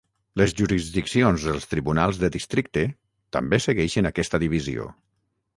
Les jurisdiccions dels tribunals de districte també segueixen aquesta divisió.